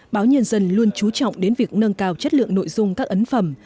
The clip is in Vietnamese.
báo nhân dân luôn trú trọng đến việc nâng cao chất lượng nội dung các ấn phẩm